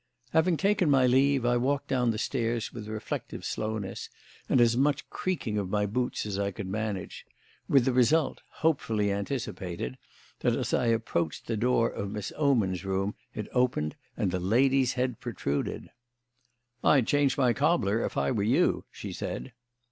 Having taken my leave, I walked down the stairs with reflective slowness and as much creaking of my boots as I could manage; with the result, hopefully anticipated, that as I approached the door of Miss Oman's room it opened and the lady's head protruded. "I'd change my cobbler if I were you," she said.